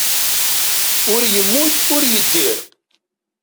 Ur yemmut ur yeddir.